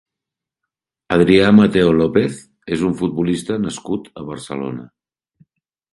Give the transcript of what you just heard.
Adrià Mateo López és un futbolista nascut a Barcelona.